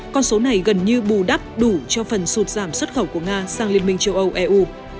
con số này gần như bù đắp đủ cho phần sụt giảm xuất khẩu của nga sang liên minh châu âu eu